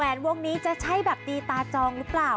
แหวนวันนี้ใช้แบบตีตาจองหรือเปล่า